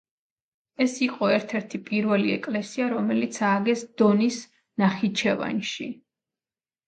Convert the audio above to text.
ეს იყო ერთ-ერთი პირველი ეკლესია, რომელიც ააგეს დონის ნახიჩევანში.